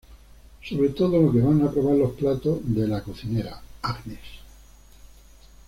Sobre todo los que van a probar los platos de la cocinera, Agnes.